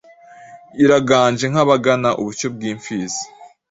Iraganje nkagabana.ubushyo bwimfizi